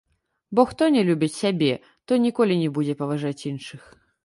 Бо хто не любіць сябе, той ніколі не будзе паважаць іншых.